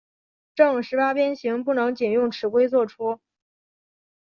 正十八边形不能仅用尺规作出。